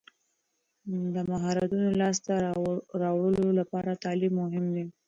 د مهارتونو لاسته راوړلو لپاره تعلیم مهم دی.